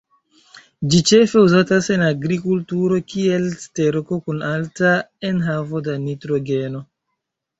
Ĝi ĉefe uzatas en agrikulturo kiel sterko kun alta enhavo da nitrogeno.